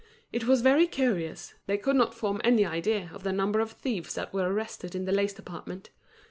It was very curious, they could not form any idea of the number of thieves that were arrested in the lace department.